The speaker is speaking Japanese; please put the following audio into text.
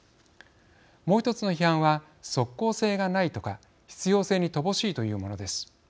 もう１つの批判は即効性がないとか必要性に乏しいというものです。